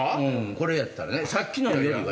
これやったらねさっきのよりは。